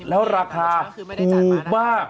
แล้วราคาถูกมาก